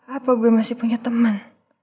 apa gue masih punya teman